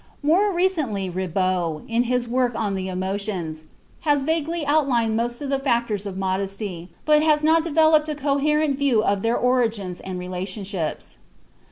More recently Ribot, in his work on the emotions, has vaguely outlined most of the factors of modesty, but has not developed a coherent view of their origins and relationships.